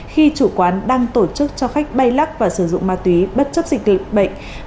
khi chủ quán đang tổ chức cho khách bay lắc và sử dụng ma túy bất chấp dịch tị bệnh